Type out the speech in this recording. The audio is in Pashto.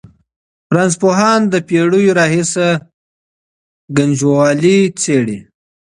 رنځپوهان د پېړیو راهېسې ګنجوالي څېړي.